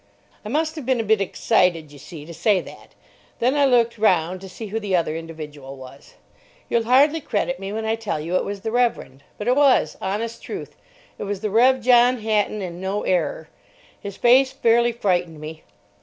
I must have been a bit excited, you see, to say that. Then I looked round to see who the other individual was. You'll hardly credit me when I tell you it was the Reverend. But it was. Honest truth, it was the Rev. John Hatton and no error. His face fairly frightened me.